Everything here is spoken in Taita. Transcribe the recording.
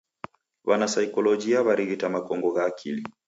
W'anasaikolojia w'arighita makongo gha akili.